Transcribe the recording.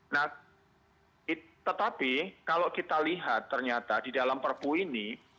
nah tetapi kalau kita lihat ternyata di dalam perpu ini